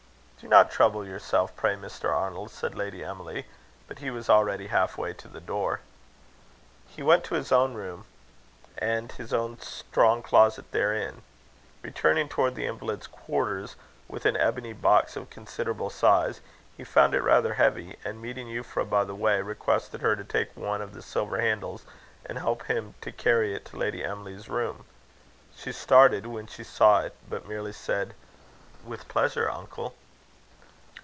"Do not trouble yourself, pray, Mr. Arnold," said Lady Emily. But he was already half way to the door. He went to his own room, and his own strong closet therein. Returning towards the invalid's quarters with an ebony box of considerable size, he found it rather heavy, and meeting Euphra by the way, requested her to take one of the silver handles, and help him to carry it to Lady Emily's room. She started when she saw it, but merely said: "With pleasure, uncle."